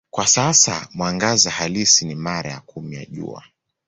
Kwa sasa mwangaza halisi ni mara kumi ya Jua.